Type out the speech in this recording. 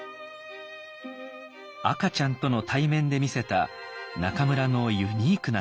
赤ちゃんとの対面で見せた中村のユニークな姿。